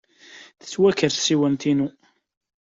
Tettwaker tsiwant-inu.